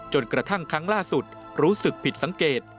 กระทั่งครั้งล่าสุดรู้สึกผิดสังเกต